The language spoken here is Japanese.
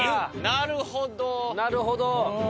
なるほどね！